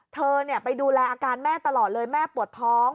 เธอไปดูแลอาการแม่ตลอดเลยแม่ปวดท้อง